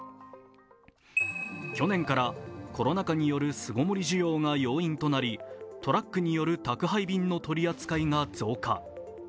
去年からコロナ禍による巣ごもり需要が要因となり、トラックによる宅配便の取り扱いが増加。